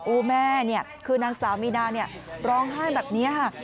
โอ้แม่เนี่ยคือนางสามีนาเนี่ยร้องไห้แบบนี้ฮะ